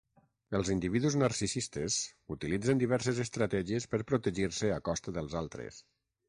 Els individus narcisistes utilitzen diverses estratègies per protegir-se a costa dels altres.